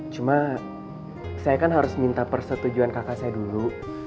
cuma saya kan harus minta persetujuan kakak saya dulu